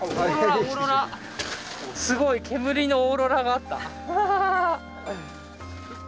煙のオーロラがあった。